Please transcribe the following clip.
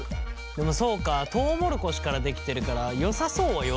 でもそうかトウモロコシから出来てるからよさそうはよさそうか。